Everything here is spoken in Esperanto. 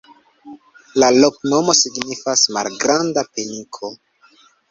La loknomo signifas: malgranda-peniko.